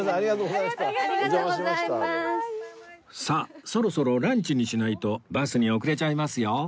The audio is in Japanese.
さあそろそろランチにしないとバスに遅れちゃいますよ